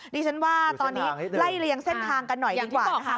ดิฉันว่าตอนนี้ไล่เลียงเส้นทางกันหน่อยดีกว่านะคะ